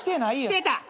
してた。